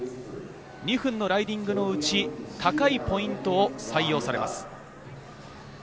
２分のライディングのうち、高いポイントを採用されます。